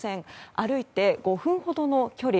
歩いて５分ほどの距離。